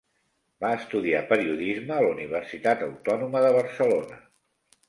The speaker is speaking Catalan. Va estudiar periodisme a la Universitat Autònoma de Barcelona.